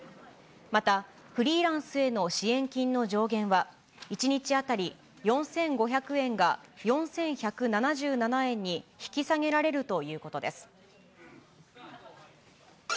またフリーランスへの支援金の上限は、１日当たり４５００円が４１７７円に引き下げられるということです。